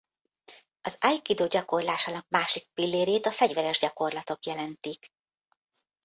Az aikidó gyakorlásának másik pillérét a fegyveres gyakorlatok jelentik.